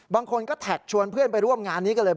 บางคนก็แท็กชวนเพื่อนไปร่วมงานนี้ก็เลย